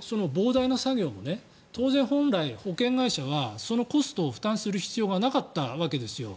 その膨大な作業も当然、本来、保険会社はそのコストを負担する必要がなかったわけですよ。